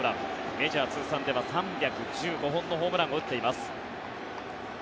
メジャー通算では３１５本のホームランを打っています。